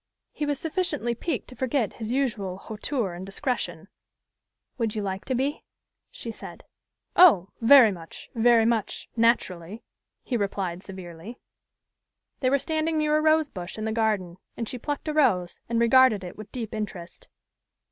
He was sufficiently piqued to forget his usual hauteur and discretion. "Would you like to be?" she said. "Oh! Very much very much naturally," he replied severely. They were standing near a rose bush in the garden; and she plucked a rose, and regarded it with deep interest.